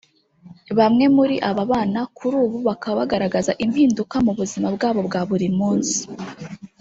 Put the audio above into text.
Bamwe muri aba bana kuri ubu bakaba bagaragaza impinduka mu buzima bwabo bwa buri munsi